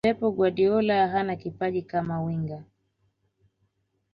pep guardiola hana kipaji kama wenger